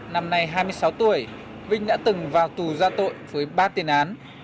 năm nay hai mươi sáu tuổi vinh đã từng vào tù ra tội với ba tiền án